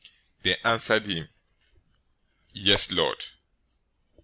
They answered him, "Yes, Lord."